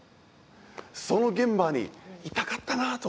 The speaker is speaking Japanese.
その現場にいたかったなと思うんです。